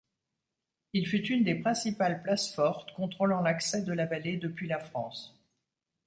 Il fut une des principales places-fortes contrôlant l'accès de la vallée depuis la France.